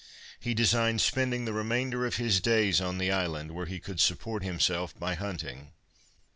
He designed spending the remainder of his days on the island, where he could support himself by hunting.